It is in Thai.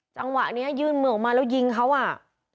จังหวะนี้ยื่นมือออกมาแล้วยิงเขาอ่ะ